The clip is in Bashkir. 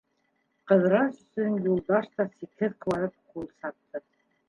Ҡыҙырас өсөн Юлдаш та сикһеҙ ҡыуанып ҡул сапты.